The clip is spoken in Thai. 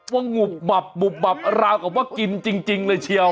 ว่างุบหมับหุบบับราวกับว่ากินจริงเลยเชียว